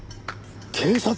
警察！